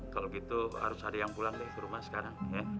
kalau gitu harus ada yang pulang deh ke rumah sekarang